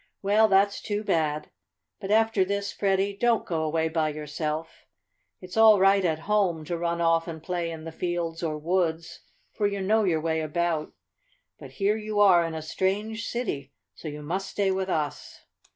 "Well, that's too bad. But, after this, Freddie, don't go away by yourself. It's all right, at home, to run off and play in the fields or woods, for you know your way about. But here you are in a strange city, so you must stay with us."